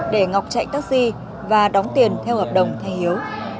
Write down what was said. để ngọc chạy taxi và đóng tiền theo hợp đồng thay hiếu